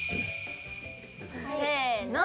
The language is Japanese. せの。